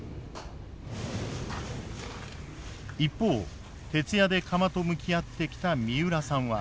一方徹夜で釜と向き合ってきた三浦さんは。